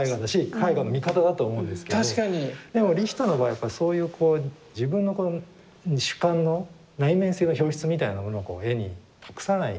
でもリヒターの場合やっぱそういうこう自分のこの主観の内面性の表出みたいなものをこう絵に託さない。